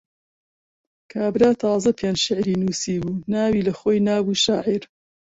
کابرا تازە پێنج شیعری نووسی بوو، ناوی لەخۆی نابوو شاعیر.